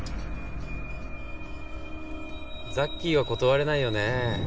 ザッキーは断れないよね？